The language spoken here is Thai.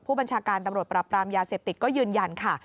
บัญชาการตำรวจปรับปรามยาเสพติดก็ยืนยันค่ะ